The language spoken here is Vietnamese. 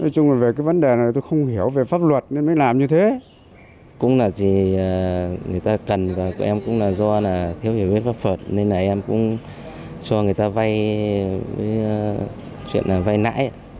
cũng là chỉ người ta cần và em cũng là do thiếu hiểu biết pháp phật nên là em cũng cho người ta vay chuyện là vay nãi